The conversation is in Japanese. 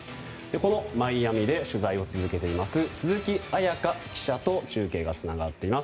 このマイアミで取材を続けています鈴木彩加記者と中継がつながっています。